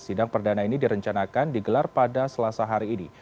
sidang perdana ini direncanakan digelar pada selasa hari ini